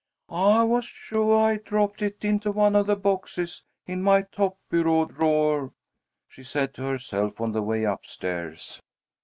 "I was suah I dropped it into one of the boxes in my top bureau drawer," she said to herself on the way up stairs.